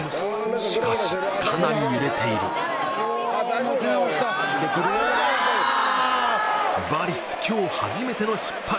しかしかなり揺れている『バリス』今日初めての失敗